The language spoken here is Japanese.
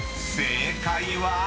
［正解は⁉］